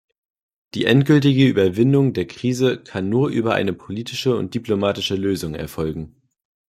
Die endgültige Überwindung der Krise kann nur über eine politische und diplomatische Lösung erfolgen.